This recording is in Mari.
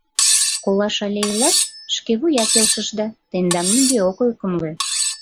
Колаш але илаш — шкевуя келшышда, тендам нигӧ ок ӧкымлӧ.